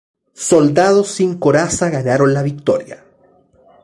Soldados sin coraza ganaron la victoria;